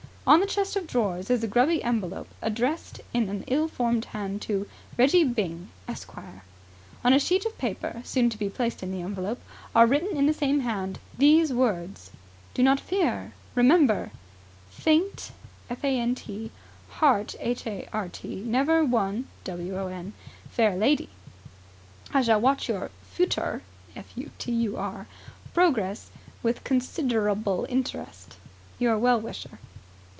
On the chest of drawers is a grubby envelope, addressed in an ill formed hand to: R. Byng, Esq. On a sheet of paper, soon to be placed in the envelope, are written in the same hand these words: "Do not dispare! Remember! Fante hart never won fair lady. I shall watch your futur progres with considurable interest. Your Well Wisher."